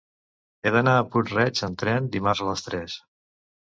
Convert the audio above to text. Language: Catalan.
He d'anar a Puig-reig amb tren dimarts a les tres.